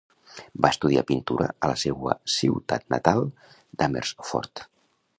Va estudiar pintura a la seua ciutat natal d'Amersfoort.